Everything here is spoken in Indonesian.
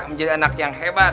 menjadi anak yang hebat